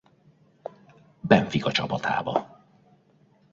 Benfica csapatába.